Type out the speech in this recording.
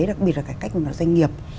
đặc biệt là cải cách về mặt doanh nghiệp